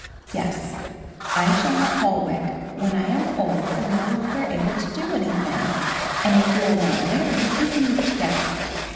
"Yes, I shall have Holwick when I am old and no longer able to do anything; and if you are not married we can live together."